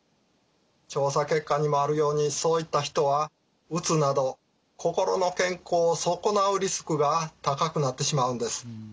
調査結果にもあるようにそういった人はうつなど心の健康を損なうリスクが高くなってしまうんです。